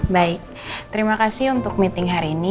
baik terima kasih untuk meeting hari ini